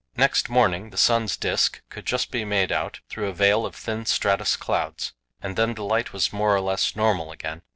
Next morning the sun's disc could just be made out through a veil of thin stratus clouds, and then the light was more or less normal again.